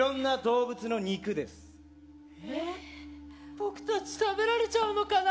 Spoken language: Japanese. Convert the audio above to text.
僕たち食べられちゃうのかな？